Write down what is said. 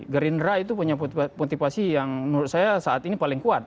gerindra itu punya motivasi yang menurut saya saat ini paling kuat